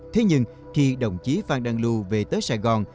thế nhưng khi đồng chí phan đăng lưu về tới sài gòn